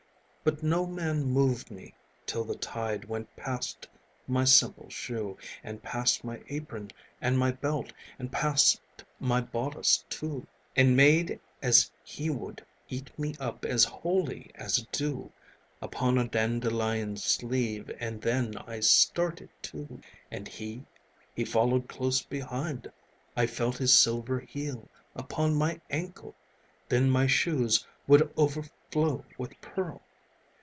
But no man moved me till the tide Went past my simple shoe, And past my apron and my belt, And past my bodice too, And made as he would eat me up As wholly as a dew Upon a dandelion's sleeve And then I started too. And he he followed close behind; I felt his silver heel Upon my ankle, then my shoes Would overflow with pearl.